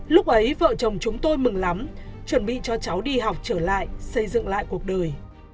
lúc ấy vợ chồng chúng tôi mừng lắm chuẩn bị cho cháu đi học trở lại xây dựng lại cuộc đời